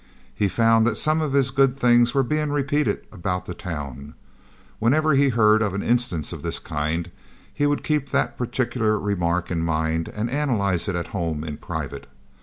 He found that some of his good things were being repeated about the town. Whenever he heard of an instance of this kind, he would keep that particular remark in mind and analyze it at home in private.